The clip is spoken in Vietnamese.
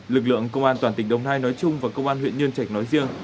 lực lượng công an toàn tỉnh đồng nai nói chung và công an huyện nhân trạch nói riêng